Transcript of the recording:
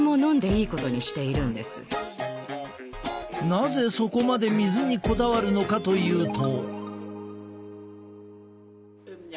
なぜそこまで水にこだわるのかというと。